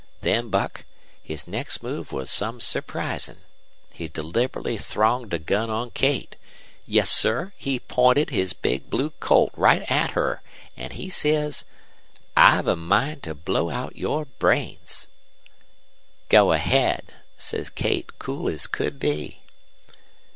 Then, Buck, his next move was some surprisin'. He deliberately thronged a gun on Kate. Yes sir, he pointed his big blue Colt right at her, an' he says: "'I've a mind to blow out your brains.' "'Go ahead,' says Kate, cool as could be.